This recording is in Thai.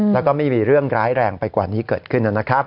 แล้วก็ไม่มีเรื่องร้ายแรงไปกว่านี้เกิดขึ้นนะครับ